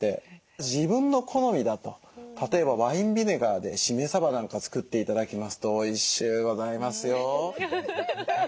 自分の好みだと例えばワインビネガーでしめさばなんか作って頂きますとおいしゅうございますよ。